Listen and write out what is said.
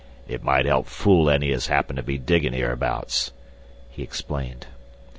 "It might 'elp fool any as 'appened to be diggin' 'ereabouts," he explained.